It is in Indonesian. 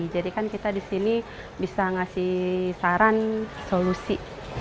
jadi kan kita di sini bisa ngasih saran solusi